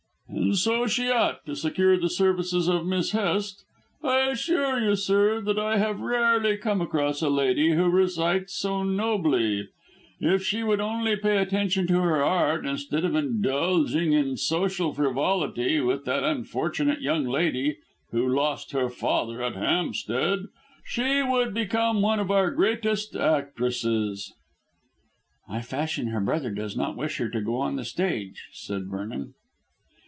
"And so she ought, to secure the services of Miss Hest. I assure you, sir, that I have rarely come across a lady who recites so nobly. If she would only pay attention to her art instead of indulging in social frivolity with that unfortunate young lady who lost her father at Hampstead, she would become one of our greatest actresses." "I fancy her brother does not wish her to go on the stage," said Vernon.